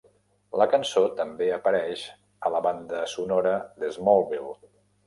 La cançó també apareix a la banda sonora de "Smallville".